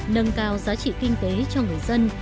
nâng cao giá trị kinh tế cho người dân